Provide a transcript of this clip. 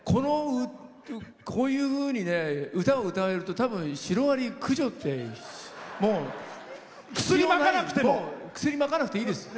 こういうふうに歌を歌われると多分、シロアリ駆除って薬をまかなくてもいいです。